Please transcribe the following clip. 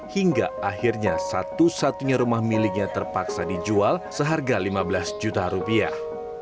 hingga akhirnya satu satunya rumah miliknya terpaksa dijual seharga lima belas juta rupiah